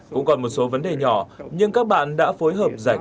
cũng còn một số vấn đề nhỏ